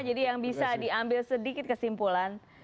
jadi yang bisa diambil sedikit kesimpulan